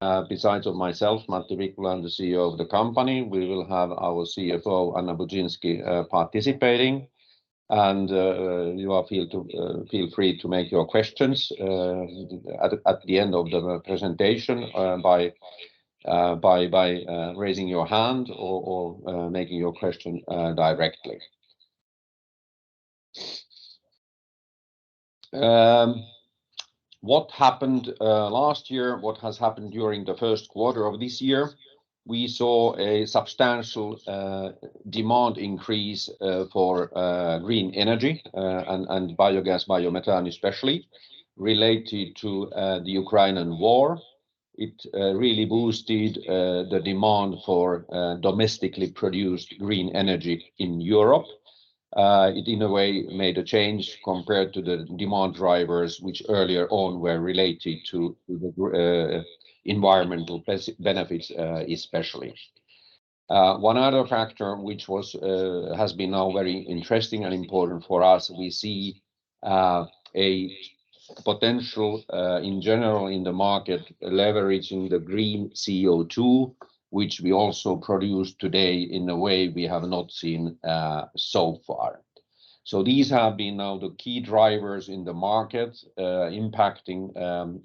Besides of myself, Matti Vikkula, I'm the CEO of the company, we will have our CFO, Anna Budzynski, participating. You are feel free to make your questions at the end of the presentation by raising your hand or making your question directly. What happened last year? What has happened during the first quarter of this year? We saw a substantial demand increase for green energy and biogas, biomethane especially, related to the Ukrainian War. It really boosted the demand for domestically produced green energy in Europe. It in a way made a change compared to the demand drivers which earlier on were related to the environmental benefits especially. One other factor which was has been now very interesting and important for us, we see a potential in general in the market leveraging the green CO2, which we also produce today in a way we have not seen so far. These have been now the key drivers in the market, impacting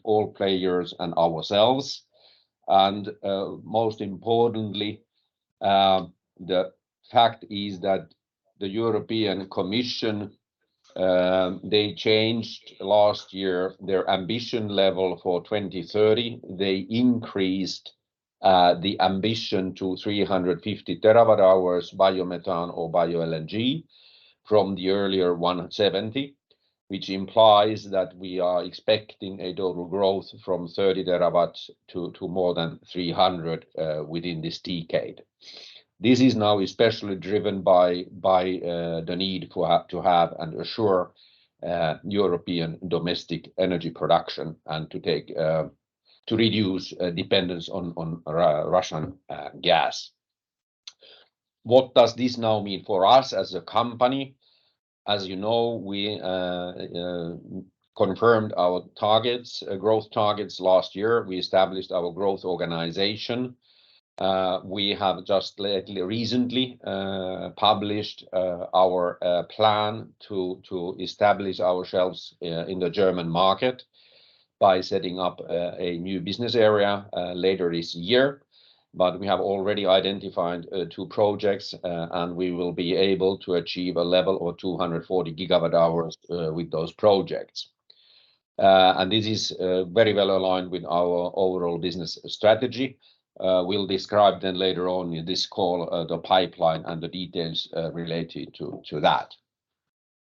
all players and ourselves. Most importantly, the fact is that the European Commission, they changed last year their ambition level for 2030. They increased the ambition to 350 TWh biomethane or Bio-LNG from the earlier 170 TWh, which implies that we are expecting a total growth from 30 TWh to more than 300 TWh within this decade. This is now especially driven by the need to have and assure European domestic energy production and to take to reduce dependence on Russian gas. What does this now mean for us as a company? As you know, we confirmed our targets, growth targets last year. We established our growth organization. We have just lately, recently published our plan to establish ourselves in the German market by setting up a new business area later this year. We have already identified two projects and we will be able to achieve a level of 240 GWh with those projects. And this is very well aligned with our overall business strategy. We'll describe then later on in this call the pipeline and the details related to that.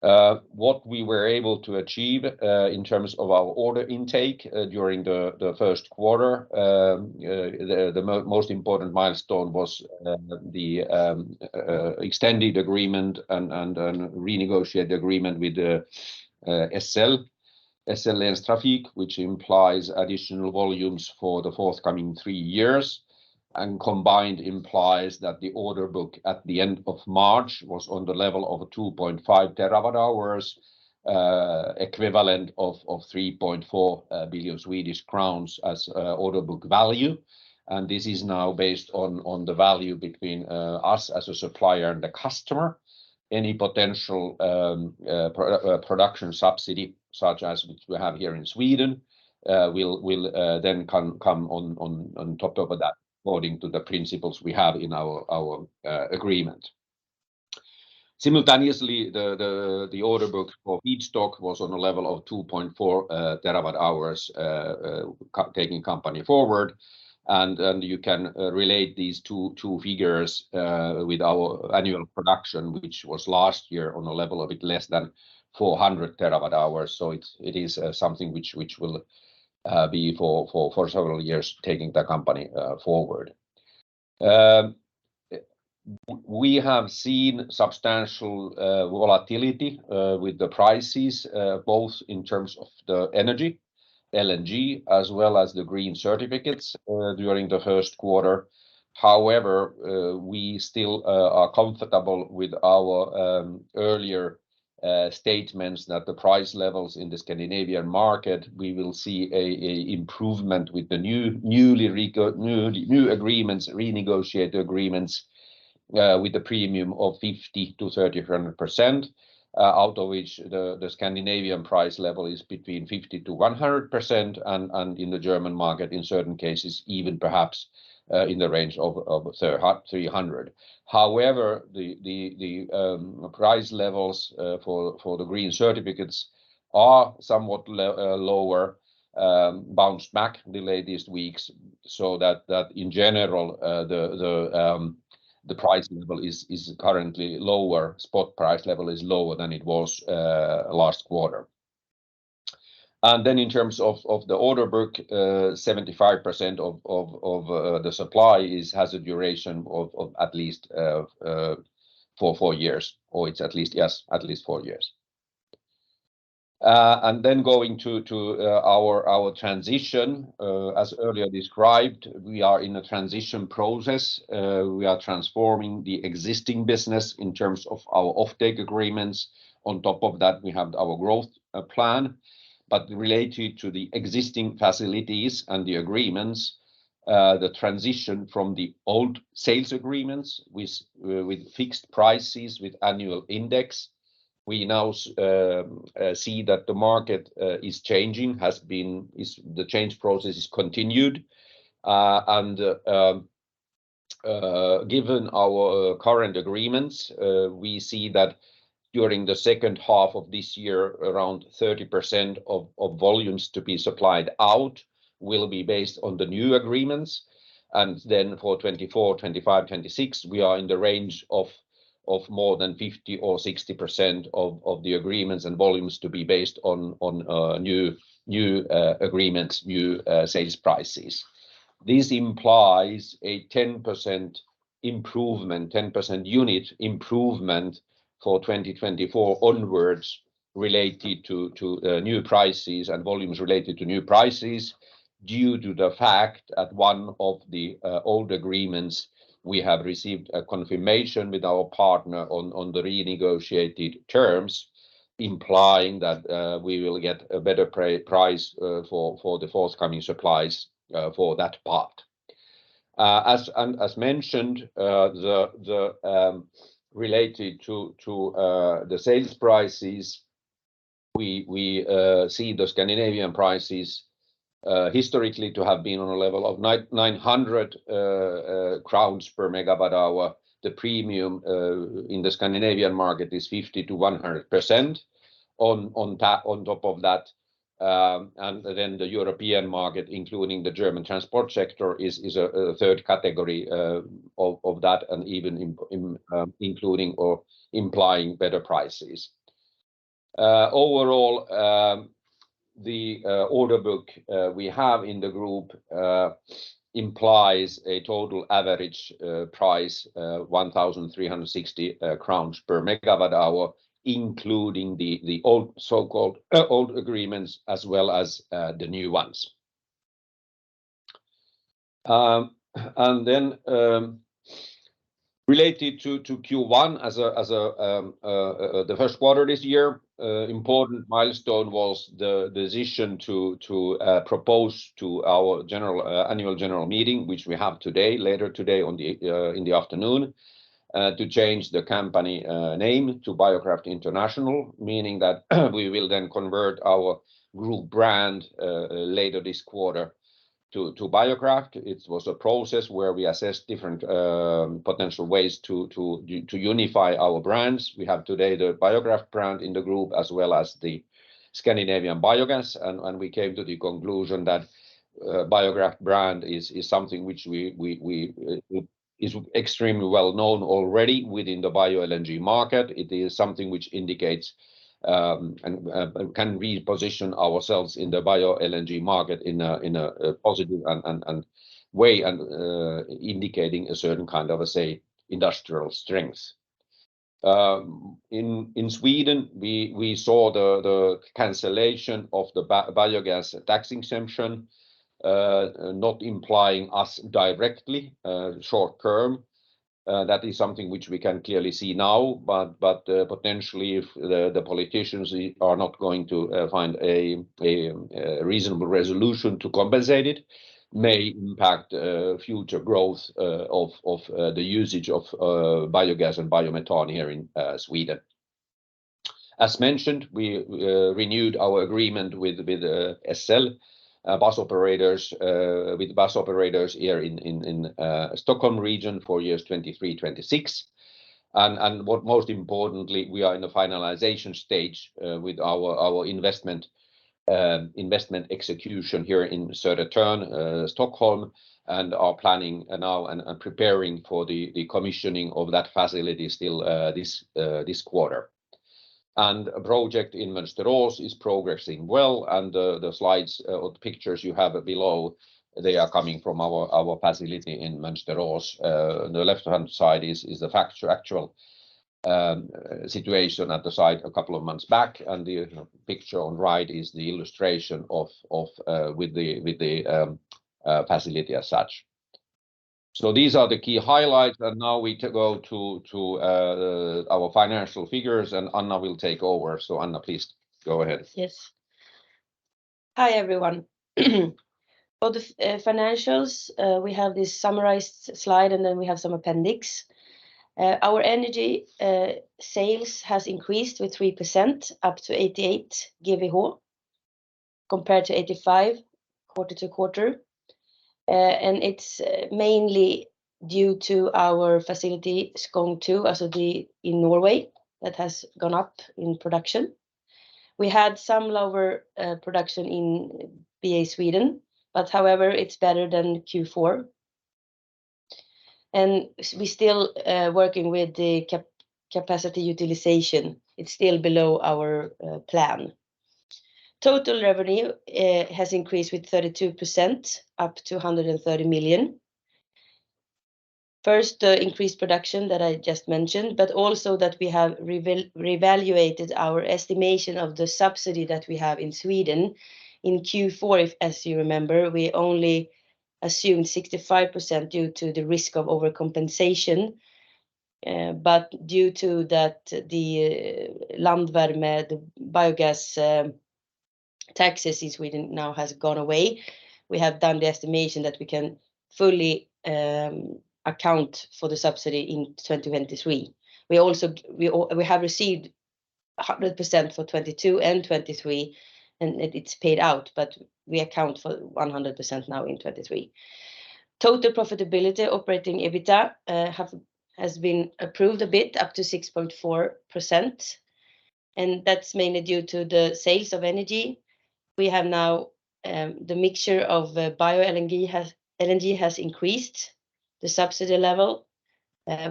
What we were able to achieve in terms of our order intake during the first quarter, the most important milestone was the extended agreement and renegotiated agreement with SL Trafik, which implies additional volumes for the forthcoming three years, and combined implies that the order book at the end of March was on the level of 2.5 TWh, equivalent of 3.4 billion Swedish crowns as order book value. This is now based on the value between us as a supplier and the customer. Any potential production subsidy such as we have here in Sweden will then come on top of that according to the principles we have in our agreement. Simultaneously, the order book for each stock was on a level of 2.4 TWh taking company forward. You can relate these two figures with our annual production, which was last year on a level of bit less than 400 TWh. It is something which will be for several years taking the company forward. We have seen substantial volatility with the prices, both in terms of the energy, LNG, as well as the green certificates during the first quarter. However, we still are comfortable with our earlier statements that the price levels in the Scandinavian market, we will see a improvement with the new agreements, renegotiated agreements, with a premium of 50%-300%, out of which the Scandinavian price level is between 50%-100% and in the German market, in certain cases, even perhaps in the range of 300%. However, the price levels for the green certificates are somewhat lower, bounced back the latest weeks so that in general, the price level is currently lower, spot price level is lower than it was last quarter. Then in terms of the order book, 75% of the supply has a duration of at least four years, or it's at least, yes, at least four years. Then going to our transition, as earlier described, we are in a transition process. We are transforming the existing business in terms of our offtake agreements. On top of that, we have our growth plan. Related to the existing facilities and the agreements. The transition from the old sales agreements with fixed prices with annual index, we now see that the market is changing, is the change process is continued. Given our current agreements, we see that during the second half of this year, around 30% of volumes to be supplied out will be based on the new agreements. For 2024, 2025, 2026, we are in the range of more than 50% or 60% of the agreements and volumes to be based on new agreements, new sales prices. This implies a 10% improvement, 10% unit improvement for 2024 onwards related to new prices and volumes related to new prices due to the fact at one of the old agreements, we have received a confirmation with our partner on the renegotiated terms implying that we will get a better price for the forthcoming supplies for that part. As mentioned, the related to the sales prices, we see the Scandinavian prices historically to have been on a level of 900 crowns per MWh. The premium in the Scandinavian market is 50%-100% on top of that. The European market, including the German transport sector, is a third category of that and even including or implying better prices. Overall, the order book we have in the group implies a total average price 1,360 crowns per MWh, including the old so-called old agreements as well as the new ones. Related to Q1 as the first quarter this year, important milestone was the decision to propose to our general annual general meeting, which we have today, later today in the afternoon, to change the company name to Biokraft International, meaning that we will then convert our group brand later this quarter to Biokraft. It was a process where we assessed different potential ways to unify our brands. We have today the Biokraft brand in the group, as well as the Scandinavian Biogas, and we came to the conclusion that Biokraft brand is something which is extremely well known already within the Bio-LNG market. It is something which indicates and can reposition ourselves in a Bio-LNG market in a positive and way, indicating a certain kind of, let's say, industrial strength. In Sweden, we saw the cancellation of the biogas tax exemption, not implying us directly short term. That is something which we can clearly see now, but potentially if the politicians are not going to find a reasonable resolution to compensate it, may impact future growth of the usage of biogas and biomethane here in Sweden. As mentioned, we renewed our agreement with SL bus operators, with bus operators here in Stockholm region for years 2023, 2026. What most importantly, we are in the finalization stage with our investment execution here in Södertörn, Stockholm, and are planning now and preparing for the commissioning of that facility still this quarter. A project in Mönsterås is progressing well, and the slides or the pictures you have below, they are coming from our facility in Mönsterås. The left-hand side is the actual situation at the site a couple of months back, and the picture on right is the illustration of the facility as such. These are the key highlights, and now we go to our financial figures, and Anna will take over. Anna, please go ahead. Yes. Hi, everyone. For the financials, we have this summarized slide, and then we have some appendix. Our energy sales has increased with 3% up to 88 GWh compared to 85 GWh quarter-to-quarter. It's mainly due to our facility, Skogn II, SOD in Norway, that has gone up in production. We had some lower production in BA Sweden, however, it's better than Q4. We still working with the capacity utilization. It's still below our plan. Total revenue has increased with 32% up to 130 million. First, the increased production that I just mentioned, but also that we have revaluated our estimation of the subsidy that we have in Sweden. In Q4, if, as you remember, we only assumed 65% due to the risk of overcompensation. Due to that the Landvärme, the biogas taxes in Sweden now has gone away. We have done the estimation that we can fully account for the subsidy in 2023. We have received 100% for 2022 and 2023, and it's paid out. We account for 100% now in 2023. Total profitability operating EBITDA has been approved a bit up to 6.4%. That's mainly due to the sales of energy. We have now the mixture of LNG has increased the subsidy level.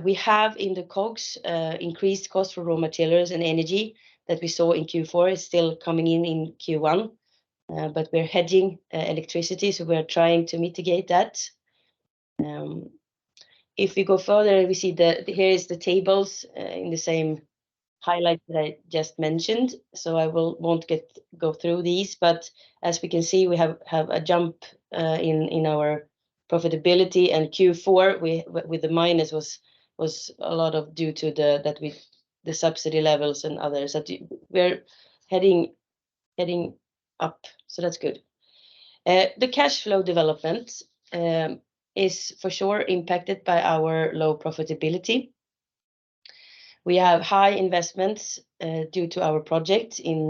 We have in the COGS increased cost for raw materials and energy that we saw in Q4 is still coming in in Q1. We're hedging electricity. We're trying to mitigate that. If we go further, we see the, here is the tables in the same highlight that I just mentioned. I won't go through these. As we can see, we have a jump in our profitability. Q4, we, with the minus was a lot due to the, that we, the subsidy levels and others that we're heading up. That's good. The cash flow development is for sure impacted by our low profitability. We have high investments due to our projects in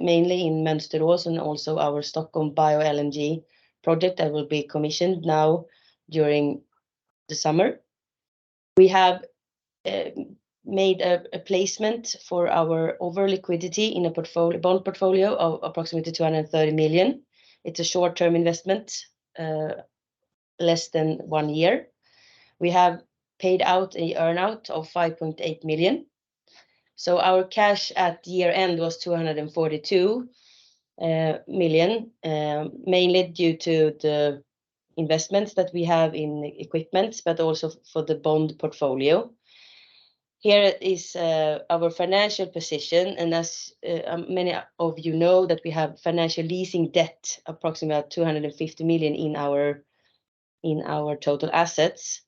mainly in Mönsterås and also our Stockholm Bio-LNG project that will be commissioned now during the summer. We have made a placement for our over-liquidity in a bond portfolio of approximately 230 million. It's a short-term investment, less than one year. We have paid out a earn-out of 5.8 million. Our cash at year-end was 242 million, mainly due to the investments that we have in equipments, but also for the bond portfolio. Here is our financial position, and as many of you know that we have finance lease debt approximately at 250 million in our total assets.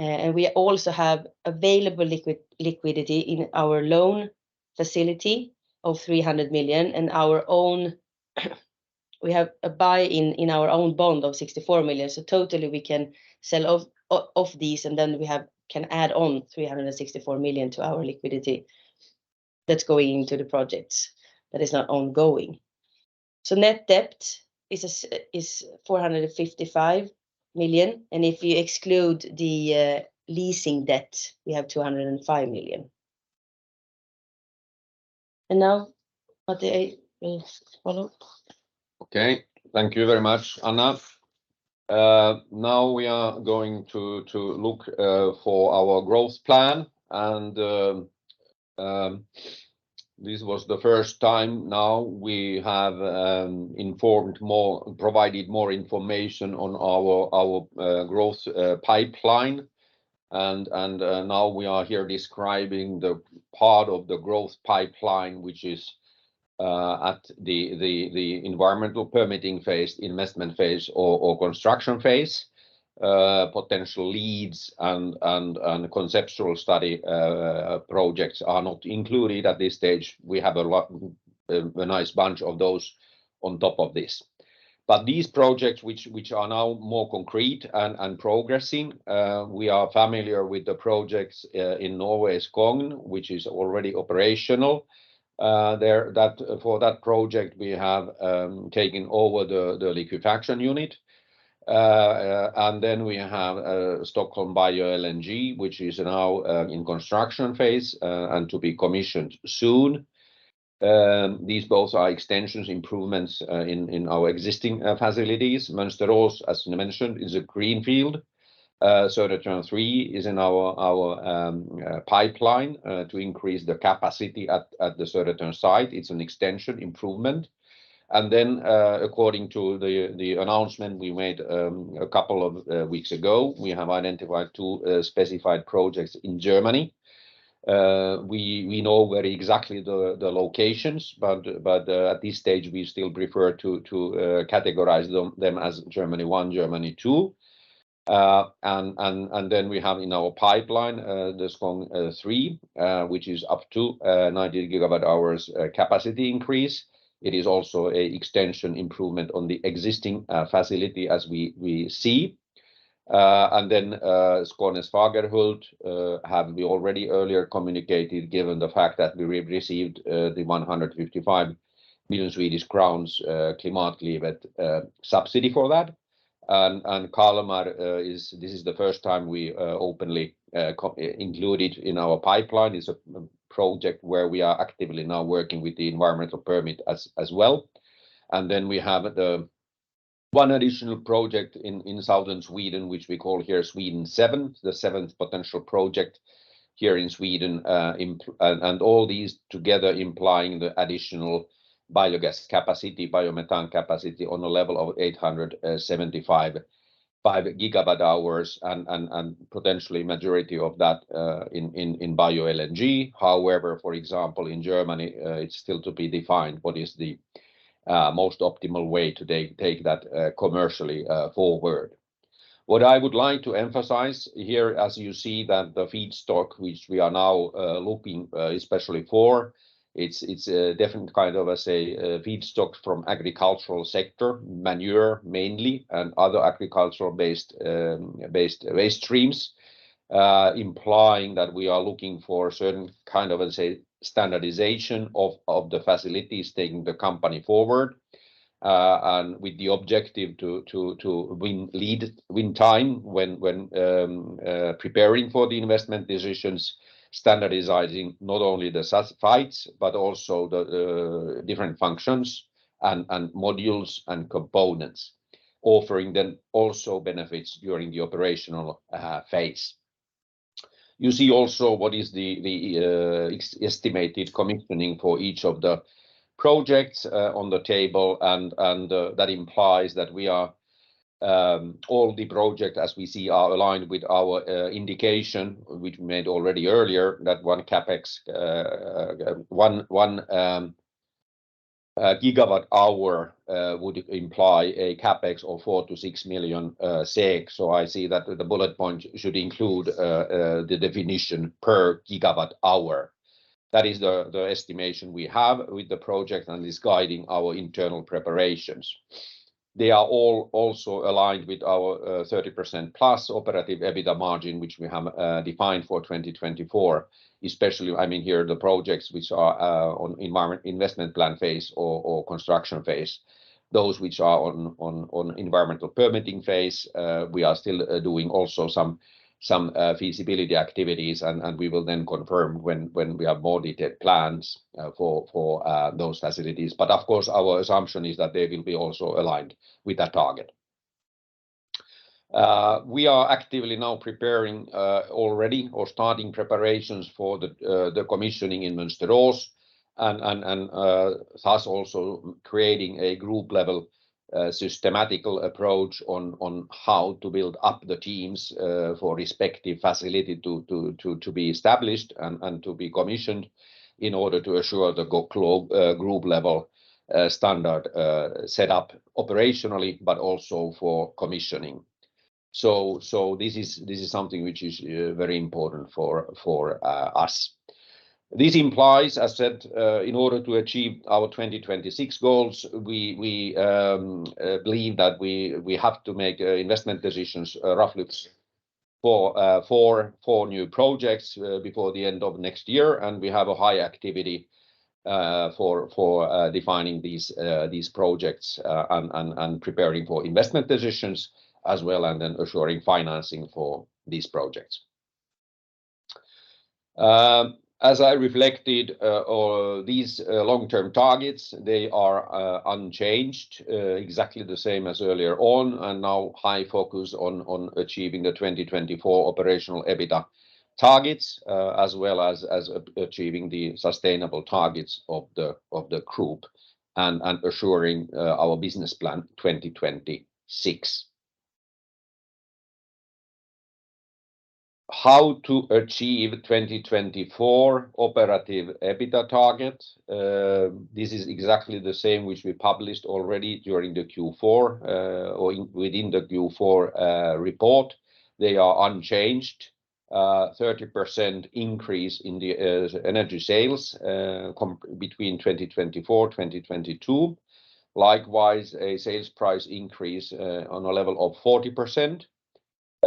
We also have available liquidity in our loan facility of 300 million. We have a buy-in in our own bond of 64 million. Totally we can sell off these, and then we can add on 364 million to our liquidity that's going into the projects that is now ongoing. Net debt is 455 million, and if you exclude the leasing debt, we have 205 million. Now, Matti, please follow up. Okay. Thank you very much, Anna. Now we are going to look for our growth plan. This was the first time now we have informed more, provided more information on our growth pipeline. Now we are here describing the part of the growth pipeline which is at the environmental permitting phase, investment phase or construction phase. Potential leads and conceptual study projects are not included at this stage. We have a lot, a nice bunch of those on top of this. These projects which are now more concrete and progressing, we are familiar with the projects in Norway's Skogn, which is already operational. For that project, we have taken over the liquefaction unit. Then we have Stockholm Bio-LNG, which is now in construction phase and to be commissioned soon. These both are extensions, improvements in our existing facilities. Mönsterås, as mentioned, is a greenfield. Södertörn Three is in our pipeline to increase the capacity at the Södertörn site. It's an extension improvement. Then, according to the announcement we made a couple of weeks ago, we have identified two specified projects in Germany. We know where exactly the locations, but at this stage, we still prefer to categorize them as Germany One, Germany Two. Then we have in our pipeline the Skogn III, which is up to 90 GWh capacity increase. It is also an extension improvement on the existing facility as we see. And then Skånes Fagerhult have we already earlier communicated given the fact that we received the 155 million Swedish crowns Klimatklivet subsidy for that. And Kalmar is this is the first time we openly include it in our pipeline. It's a project where we are actively now working with the environmental permit as well. And then we have one additional project in Southern Sweden, which we call here Sweden Seven, the seventh potential project here in Sweden. And all these together implying the additional biogas capacity, biomethane capacity on a level of 875 GWh and potentially majority of that in Bio-LNG. However, for example, in Germany, it's still to be defined what is the most optimal way to take that commercially forward. What I would like to emphasize here as you see that the feedstock which we are now looking especially for, it's a different kind of, let's say, feedstock from agricultural sector, manure mainly, and other agricultural-based based waste streams, implying that we are looking for certain kind of, let's say, standardization of the facilities taking the company forward, and with the objective to win time when preparing for the investment decisions, standardizing not only the sites, but also the different functions and modules and components, offering them also benefits during the operational phase. You see also what is the estimated commissioning for each of the projects on the table and that implies that we are all the project as we see are aligned with our indication which we made already earlier that one CapEx, one gigawatt hour would imply a CapEx of 4 million-6 million. I see that the bullet point should include the definition per gigawatt hour. That is the estimation we have with the project and is guiding our internal preparations. They are all also aligned with our 30% plus operative EBITDA margin, which we have defined for 2024, especially I mean, here the projects which are on environment investment plan phase or construction phase. Those which are on, on, on environmental permitting phase, uh, we are still, uh, doing also some, some, uh, feasibility activities and, and we will then confirm when, when we have more detailed plans, uh, for, for, uh, those facilities. But of course, our assumption is that they will be also aligned with that target. Uh, we are actively now preparing, uh, already or starting preparations for the, uh, the commissioning in Mönsterås and, and, and, uh, thus also creating a group level, uh, systematical approach on, on how to build up the teams, uh, for respective facility to, to, to, to be established and, and to be commissioned in order to assure the go globe-- uh, group level, uh, standard, uh, set up operationally, but also for commissioning. So, so this is, this is something which is, uh, very important for, for, uh, us. This implies, I said, in order to achieve our 2026 goals, we believe that we have to make investment decisions roughly for four new projects before the end of next year. We have a high activity for defining these projects and preparing for investment decisions as well, and then assuring financing for these projects. As I reflected, or these long-term targets, they are unchanged, exactly the same as earlier on, and now high focus on achieving the 2024 operational EBITDA targets, as well as achieving the sustainable targets of the group and assuring our business plan 2026. How to achieve 2024 operative EBITDA target? This is exactly the same which we published already during the Q4, or within the Q4 report. They are unchanged, 30% increase in the energy sales between 2024, 2022. Likewise, a sales price increase on a level of 40%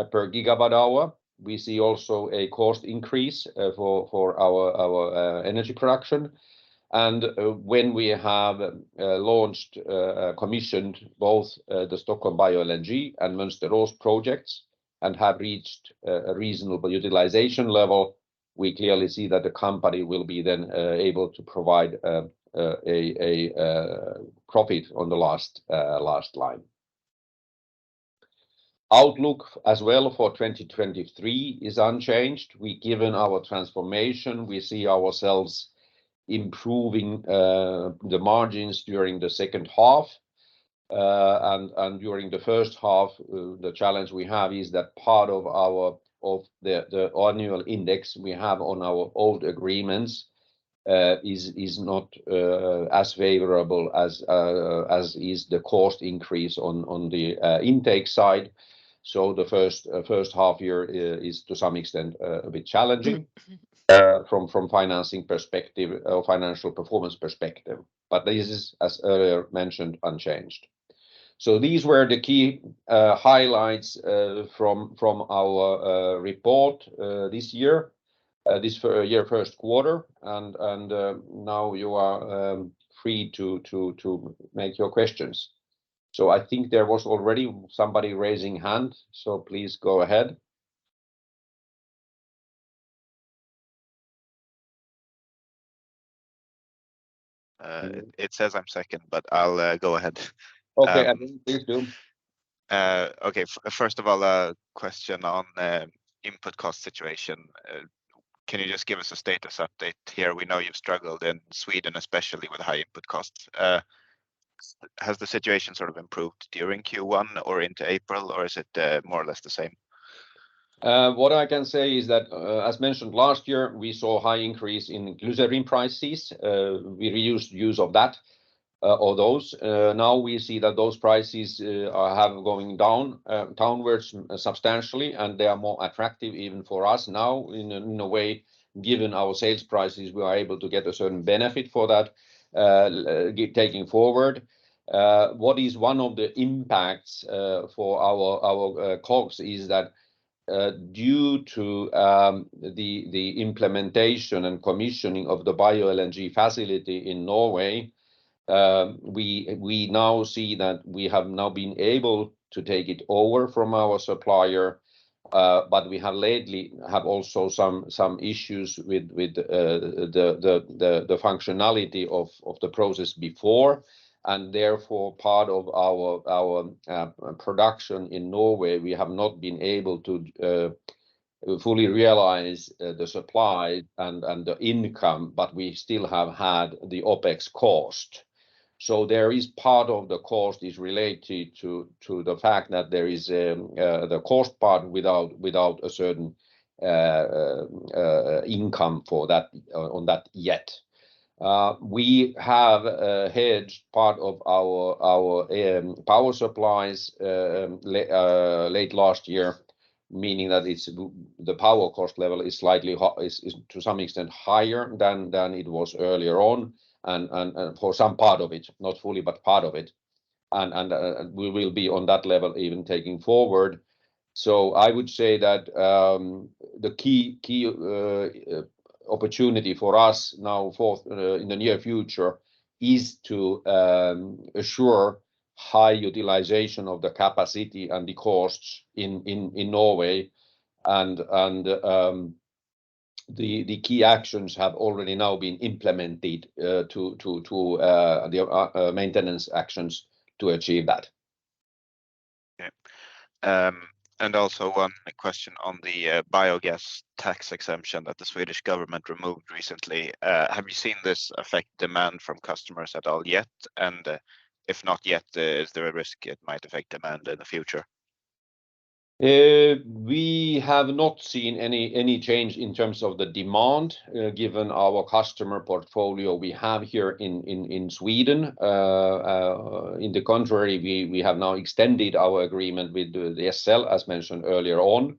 per GWh. We see also a cost increase for our energy production. When we have launched, commissioned both the Stockholm Bioenergy and Mönsterås projects and have reached a reasonable utilization level, we clearly see that the company will be then able to provide a profit on the last line. Outlook as well for 2023 is unchanged. Given our transformation, we see ourselves improving the margins during the second half. During the first half, the challenge we have is that part of our, of the annual index we have on our old agreements, is not as favorable as is the cost increase on the intake side. The first half year is to some extent a bit challenging from financing perspective or financial performance perspective. This is, as earlier mentioned, unchanged. These were the key highlights from our report this year first quarter. Now you are free to make your questions. I think there was already somebody raising hand, so please go ahead. It says I'm second, but I'll go ahead. Okay. Please do. Okay. First of all, a question on the input cost situation. Can you just give us a status update here? We know you've struggled in Sweden, especially with high input costs. Has the situation sort of improved during Q1 or into April, or is it more or less the same? What I can say is that, as mentioned last year, we saw high increase in glycerin prices. We reduced use of that or those. Now we see that those prices have going down downwards substantially, and they are more attractive even for us now in a way, given our sales prices, we are able to get a certain benefit for that taking forward. What is one of the impacts for our COGS is that due to the implementation and commissioning of the Bio-LNG facility in Norway, we now see that we have now been able to take it over from our supplier. We have lately have also some issues with the functionality of the process before, and therefore part of our production in Norway, we have not been able to fully realize the supply and the income, but we still have had the OpEx cost. There is part of the cost is related to the fact that there is the cost part without a certain income for that, on that yet. We have hedged part of our power supplies late last year, meaning that the power cost level is slightly is to some extent higher than it was earlier on and for some part of it, not fully, but part of it. We will be on that level even taking forward. I would say that, the key opportunity for us now for in the near future is to assure high utilization of the capacity and the costs in Norway and the key actions have already now been implemented to the maintenance actions to achieve that. Yeah. One question on the biogas tax exemption that the Swedish government removed recently. Have you seen this affect demand from customers at all yet? If not yet, is there a risk it might affect demand in the future? We have not seen any change in terms of the demand given our customer portfolio we have here in Sweden. In the contrary, we have now extended our agreement with the SL as mentioned earlier on.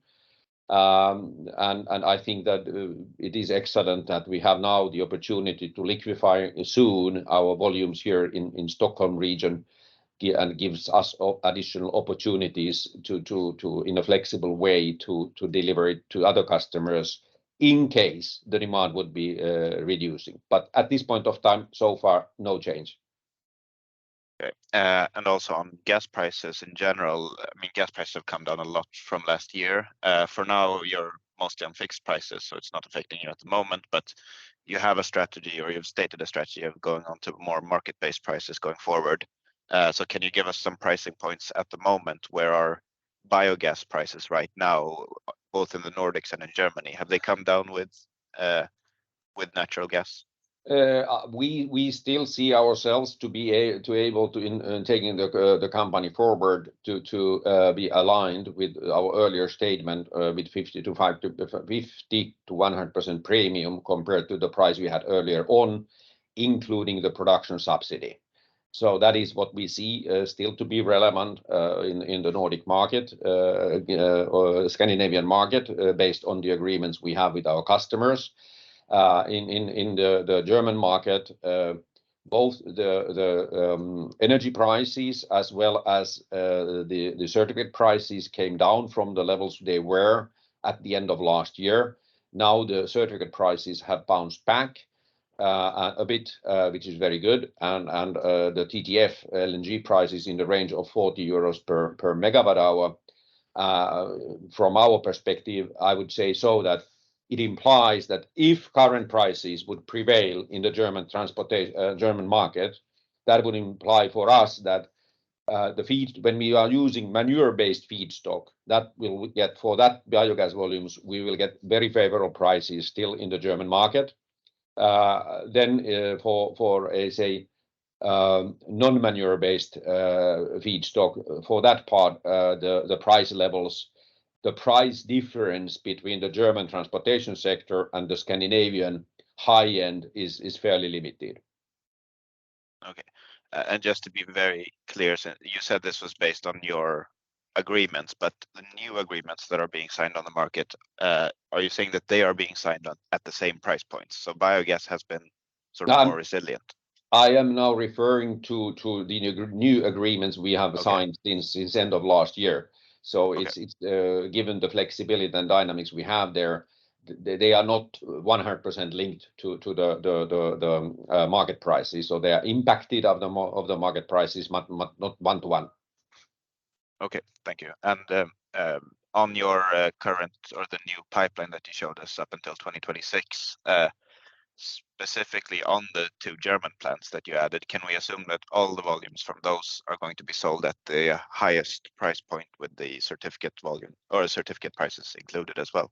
I think that it is excellent that we have now the opportunity to liquefy soon our volumes here in Stockholm region and gives us additional opportunities to in a flexible way to deliver it to other customers in case the demand would be reducing. At this point of time, so far, no change. Okay. Also on gas prices in general, I mean, gas prices have come down a lot from last year. For now, you're mostly on fixed prices, so it's not affecting you at the moment, but you have a strategy, or you've stated a strategy of going on to more market-based prices going forward. Can you give us some pricing points at the moment? Where are biogas prices right now, both in the Nordics and in Germany? Have they come down with natural gas? We still see ourselves to be able to in taking the company forward to be aligned with our earlier statement, with 50%-100% premium compared to the price we had earlier on, including the production subsidy. That is what we see still to be relevant in the Nordic market or Scandinavian market, based on the agreements we have with our customers. In the German market, both the energy prices as well as the certificate prices came down from the levels they were at the end of last year. The certificate prices have bounced back a bit, which is very good, and the TTF LNG price is in the range of 40 euros per MWh. From our perspective, I would say so that it implies that if current prices would prevail in the German market, that would imply for us that the feed, when we are using manure-based feedstock, that will get, for that biogas volumes, we will get very favorable prices still in the German market. For, let's say, non-manure-based feedstock, for that part, the price levels, the price difference between the German transportation sector and the Scandinavian high-end is fairly limited. Okay. Just to be very clear, so you said this was based on your agreements, but the new agreements that are being signed on the market, are you saying that they are being signed on at the same price points? biogas has been sort of more resilient. I am now referring to the new agreements we have- Okay... signed since end of last year. Okay. It's given the flexibility and dynamics we have there, they are not 100% linked to the market prices, so they are impacted of the market prices but not 1 to 1. Okay. Thank you. On your current or the new pipeline that you showed us up until 2026, specifically on the 2 German plants that you added, can we assume that all the volumes from those are going to be sold at the highest price point with the certificate volume or certificate prices included as well?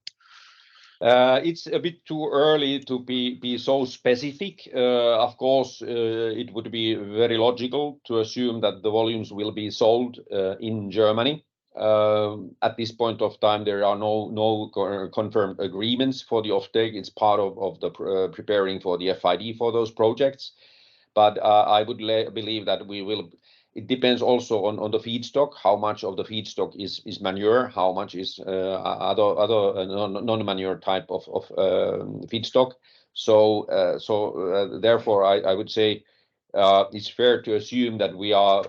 It's a bit too early to be so specific. Of course, it would be very logical to assume that the volumes will be sold in Germany. At this point of time there are no confirmed agreements for the offtake. It's part of preparing for the FID for those projects. I would believe that we will... It depends also on the feedstock, how much of the feedstock is manure, how much is other, non-manure type of feedstock. Therefore, I would say it's fair to assume that we are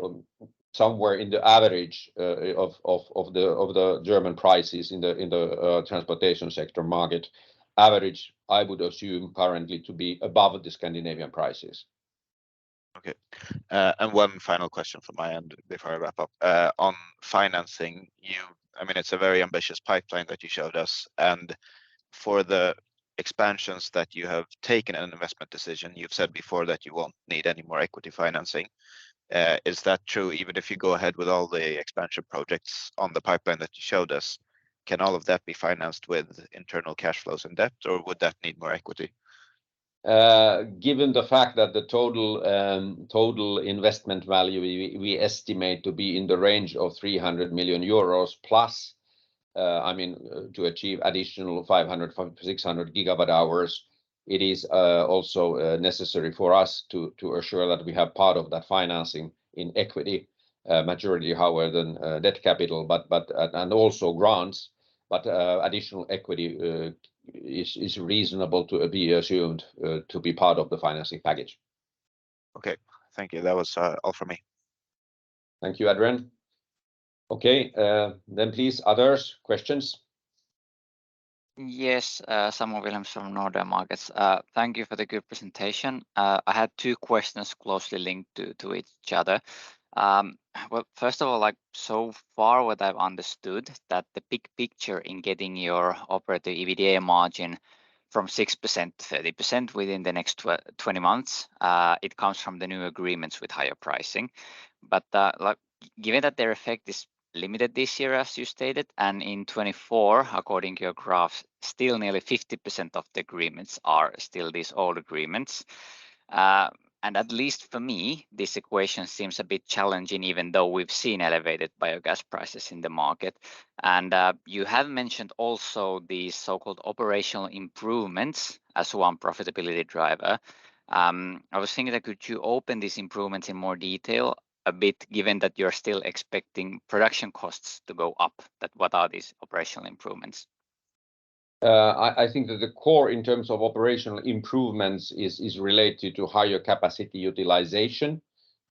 somewhere in the average of the German prices in the transportation sector market. Average I would assume currently to be above the Scandinavian prices. Okay. And one final question from my end before I wrap up. On financing, I mean, it's a very ambitious pipeline that you showed us. For the expansions that you have taken an investment decision, you've said before that you won't need any more equity financing. Is that true even if you go ahead with all the expansion projects on the pipeline that you showed us? Can all of that be financed with internal cash flows and debt, or would that need more equity? Given the fact that the total investment value we estimate to be in the range of 300 million euros+, I mean, to achieve additional 500 GWh-600 GWh, it is also necessary for us to assure that we have part of that financing in equity. Majority, however, than debt capital but and also grants, but additional equity is reasonable to be assumed to be part of the financing package. Okay. Thank you. That was all from me. Thank you, Adrian. Okay. Please, others, questions? Yes. Samuel Williams from Nordea Markets. Thank you for the good presentation. I had two questions closely linked to each other. Well, first of all, like, so far what I've understood, that the big picture in getting your operating EBITDA margin from 6%-30% within the next 20 months, it comes from the new agreements with higher pricing. Given that their effect is limited this year as you stated, and in 2024, according to your graphs, still nearly 50% of the agreements are still these old agreements, and at least for me, this equation seems a bit challenging even though we've seen elevated biogas prices in the market. You have mentioned also the so-called operational improvements as one profitability driver. I was thinking that could you open these improvements in more detail a bit given that you're still expecting production costs to go up, that what are these operational improvements? I think that the core in terms of operational improvements is related to higher capacity utilization.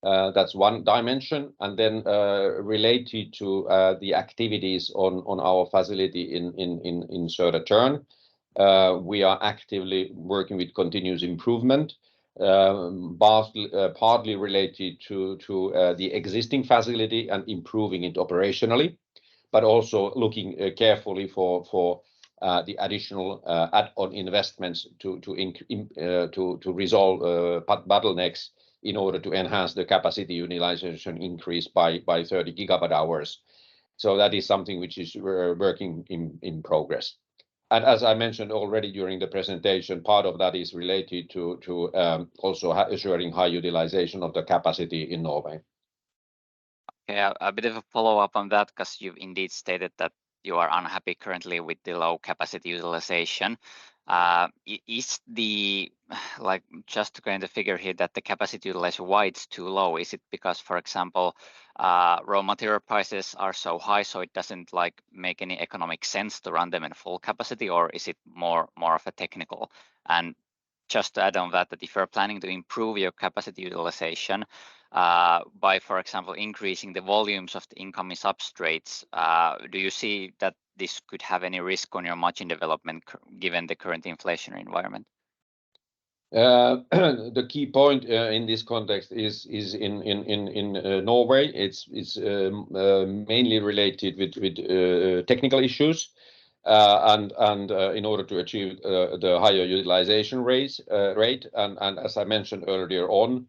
That's one dimension. Related to the activities on our facility in Södertörn, we are actively working with continuous improvement, partly related to the existing facility and improving it operationally, but also looking carefully for the additional add-on investments to resolve bottlenecks in order to enhance the capacity utilization increase by 30 GWh. That is something which is working in progress. As I mentioned already during the presentation, part of that is related to assuring high utilization of the capacity in Norway. Yeah. A bit of a follow-up on that, 'cause you indeed stated that you are unhappy currently with the low capacity utilization. Like, just trying to figure here that the capacity utilization, why it's too low. Is it because, for example, raw material prices are so high so it doesn't, like, make any economic sense to run them in full capacity, or is it more of a technical? Just to add on that if you're planning to improve your capacity utilization, by, for example, increasing the volumes of the incoming substrates, do you see that this could have any risk on your margin development given the current inflationary environment? The key point in this context is in Norway. It's mainly related with technical issues. In order to achieve the higher utilization rate, as I mentioned earlier on,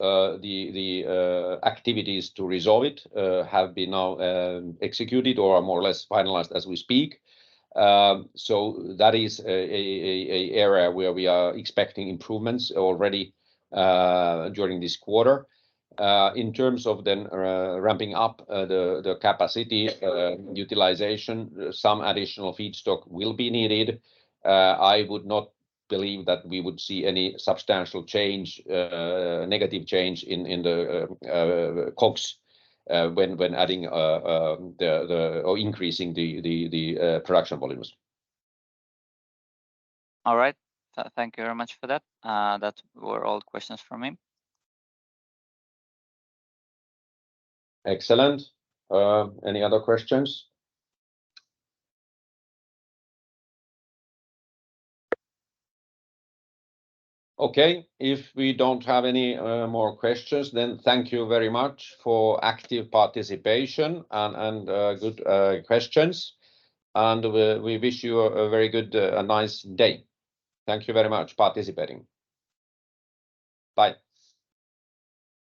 the activities to resolve it have been now executed or are more or less finalized as we speak. That is an area where we are expecting improvements already during this quarter. In terms of ramping up the capacity utilization, some additional feedstock will be needed. I would not believe that we would see any substantial change, negative change in the COGS, when adding the... or increasing the production volumes. All right. thank you very much for that. that were all questions from me. Excellent. Any other questions? Okay. If we don't have any more questions, then thank you very much for active participation and good questions, and we wish you a very good, a nice day. Thank you very much participating. Bye.